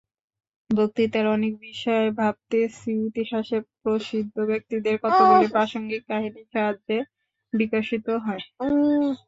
বক্তৃতার অনেক বিষয় ভারতেতিহাসের প্রসিদ্ধ ব্যক্তিদের কতকগুলি প্রাসঙ্গিক কাহিনীর সাহায্যে বিশদীকৃত হয়।